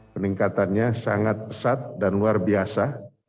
peningkatannya sangat pesat dan luar biasa